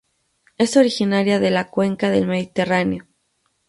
Es originaria de la Cuenca del Mediterráneo.